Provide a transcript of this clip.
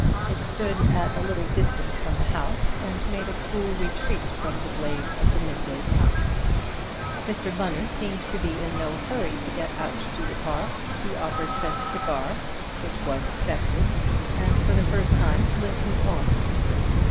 It stood at a little distance from the house, and made a cool retreat from the blaze of the mid day sun. Mr. Bunner seemed to be in no hurry to get out the car. He offered Trent a cigar, which was accepted, and for the first time lit his own.